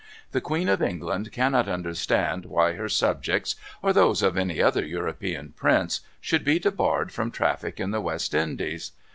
The Queen of England cannot understand why her subjects, or those of any other European prince should be debarred from traffic in the West Indies.